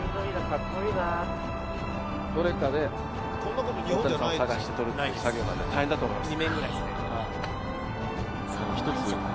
どれかで大谷さんを探して撮るっていう作業なんで大変だと思います。